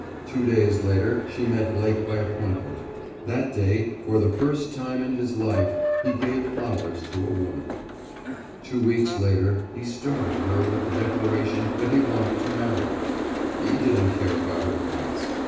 Two days later she met Blake by appointment. That day, for the first time in his life, he gave flowers to a woman. Two weeks later he startled her with the declaration that he wanted to marry her. He didn't care about her past.